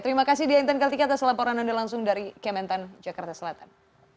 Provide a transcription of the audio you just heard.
terima kasih dea intan kartika atas laporan anda langsung dari kementan jakarta selatan